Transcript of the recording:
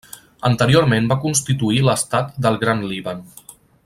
Anteriorment va constituir l'estat del Gran Líban.